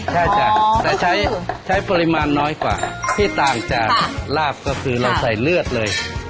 ใช่จ้ะแต่ใช้ปริมาณน้อยกว่าที่ต่างจากลาบก็คือเราใส่เลือดเลย